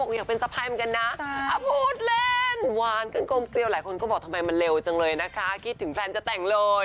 จริงไม่ค่อยอยากใช้คำว่าแฟน